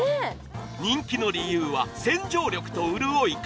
人気の理由は、洗浄力と潤い感。